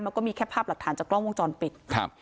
มันก็มีแค่ภาพหลักฐานจากกล้องวงจรปิดครับ